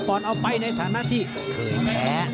๒ปอนด์เอาไปในฐานะที่เคยแพ้